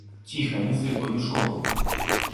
Ціха, ані зыку, ані шолаху.